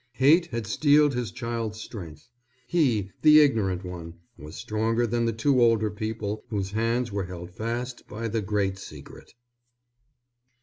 Hate had steeled his child's strength. He, the ignorant one, was stronger than the two older people whose hands were held fast by the great secret.